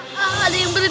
kayak tulang keras